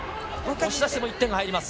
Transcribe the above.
押し出しても１点入ります。